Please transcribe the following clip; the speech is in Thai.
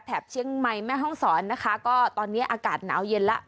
เชียงใหม่แม่ห้องศรนะคะก็ตอนนี้อากาศหนาวเย็นแล้ว